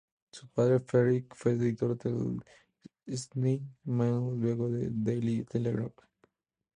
Su padre Frederick, fue editor del Sydney Mail y luego del Daily Telegraph.